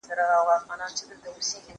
زه اوږده وخت درسونه اورم وم!؟